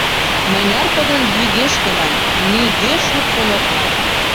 — Мыняр кодын — вӱге шкенан, нигӧ шупшын ок нал...